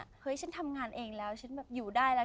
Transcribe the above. เฮ้ยฉันทำงานเองแล้วฉันแบบอยู่ได้แล้ว